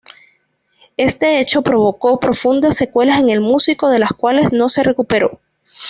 Este hecho provocó profundas secuelas en el músico de las cuales no se recuperó.